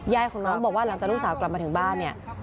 ยายของน้องบอกว่าหลังจากลูกสาวกลับมาถึงบ้านเนี่ย